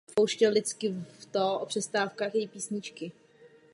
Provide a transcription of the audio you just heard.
Pracuje také s fotografií a digitální grafikou.